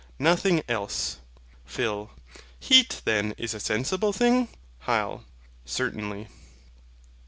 Nothing else. PHIL. HEAT then is a sensible thing? HYL. Certainly.